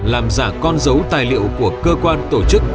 làm giả con dấu tài liệu của cơ quan tổ chức